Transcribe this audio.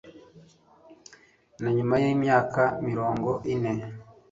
na nyuma yimyaka mirongo ine